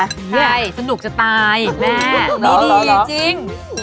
ใหญ่สนุกจะตายแม่มีดีจริง